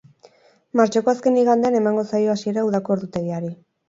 Martxoko azken igandean emango zaio hasiera udako ordutegiari.